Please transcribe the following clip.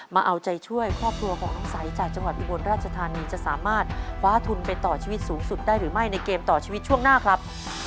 มาเอาใจช่วยครอบครัวของน้องใสจากจังหวัดอุบลราชธานีจะสามารถคว้าทุนไปต่อชีวิตสูงสุดได้หรือไม่ในเกมต่อชีวิตช่วงหน้าครับ